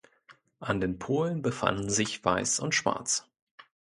An den Polen befanden sich Weiß und Schwarz.